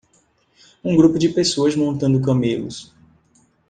Um grupo de pessoas montando camelos.